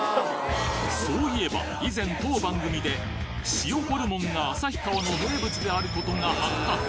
そういえば以前当番組で塩ホルモンが旭川の名物である事が発覚